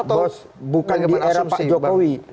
bos bukan di era pak jokowi